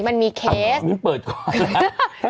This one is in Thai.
มันมีเคส